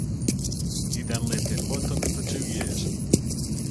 He then lived in London for two years.